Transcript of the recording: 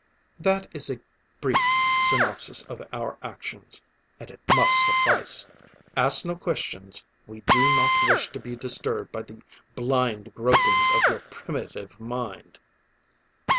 "That is a brief synopsis of our actions and it must suffice! Ask no questions; we do not wish to be disturbed by the blind gropings of your primitive mind!"